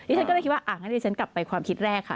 ที่ฉันก็เลยคิดว่าอ่าฉันกลับไปความคิดแรกค่ะ